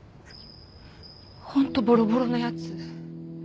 本当ボロボロのやつ。